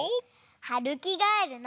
はるきがえるの。